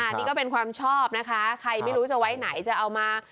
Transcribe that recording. นี่ก็เป็นความชอบนะคะใครไม่รู้จะไว้ไหนจะเอามา